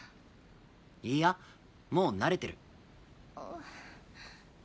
いいやもう慣れてる。